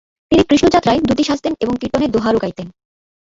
তিনি কৃষ্ণ যাত্রায় দুতী সাজতেন এবং কীর্তনের দোহারও গাইতেন।